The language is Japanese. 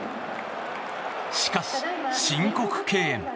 しかし、申告敬遠。